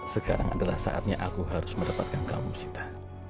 sekarang adalah saatnya aku harus mendapatkan kamu cita